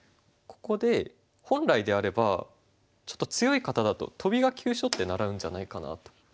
ここで本来であればちょっと強い方だとトビが急所って習うんじゃないかなと。